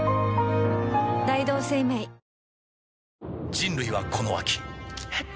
人類はこの秋えっ？